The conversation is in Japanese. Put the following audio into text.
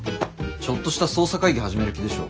ちょっとした捜査会議始める気でしょ。